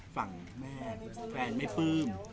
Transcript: ฝั่งแม่แฟนไม่ปลื้ม